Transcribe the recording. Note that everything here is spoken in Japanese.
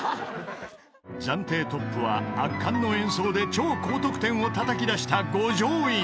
［暫定トップは圧巻の演奏で超高得点をたたき出した五条院］